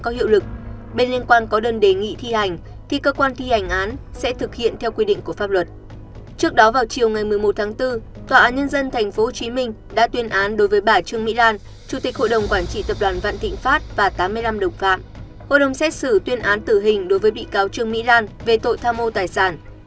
hội đồng xét xử tuyên án tử hình đối với bị cáo trương mỹ lan về tội tham mô tài sản